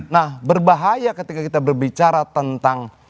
nah berbahaya ketika kita berbicara tentang